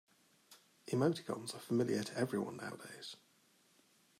Emoticons are familiar to everyone nowadays.